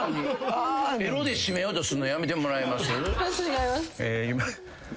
エロで締めようとするのやめてもらえます？